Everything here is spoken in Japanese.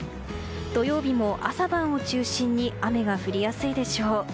土曜日も朝晩を中心に雨が降りやすいでしょう。